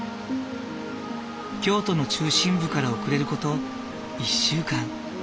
京都の中心部から後れる事１週間。